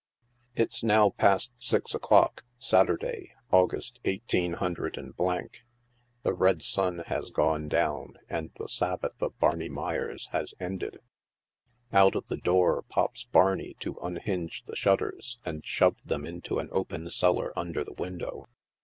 It's now past six o'clock, Saturday, August, 18—. The red sun has gone down, and the Sabbath of Barney Meyers has ended. Out of the door pops Barney to unhinge the shutters and shove them into an open cellar under the window.